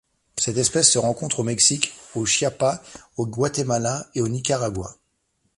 Cette espèce se rencontre au Mexique au Chiapas, au Guatemala et au Nicaragua.